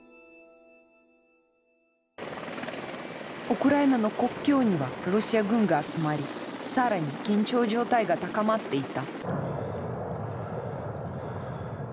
ウクライナの国境にはロシア軍が集まり更に緊張状態が高まっていた。